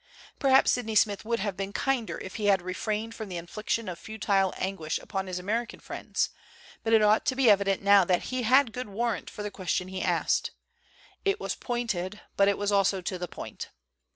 Perhaps Sydney Smith would have been kinder if he had refrained from the infliction of futile anguish upon his American friends; but it ought to be evident now that he had good warrant for the question he asked. It was pointed, but it was also to the point.